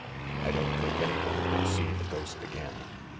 I don't think any one will see the ghost again.